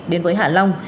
đến với hạ long